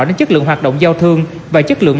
đến chất lượng hoạt động giao thương và chất lượng